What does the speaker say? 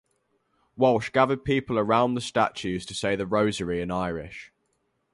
Walsh gathered people around the statues to say the rosary in Irish.